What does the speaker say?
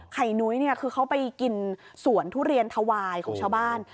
นุ้ยเนี่ยคือเขาไปกินสวนทุเรียนถวายของชาวบ้าน